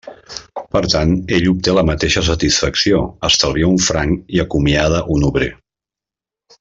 Per tant, ell obté la mateixa satisfacció, estalvia un franc i acomiada un obrer.